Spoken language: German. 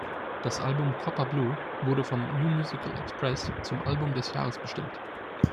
Das Album "Copper Blue" wurde vom New Musical Express zum „Album des Jahres“ bestimmt.